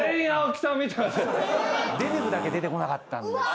デネブだけ出てこなかったんです。